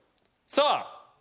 さあ。